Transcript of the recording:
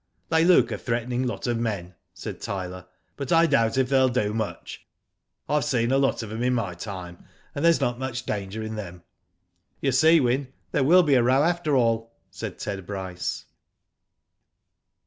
"They look a threatening lot of men," said Tyler, *' byt I doubt if they'll do much, I've seen a Digitized byGoogk Ii8 WHO DID ITf lot of 'em in my time, and there is not much danger in them." "You see, Wyn, there will be a row after all," said Ted Bryce.